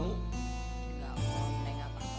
udah terus selamat ya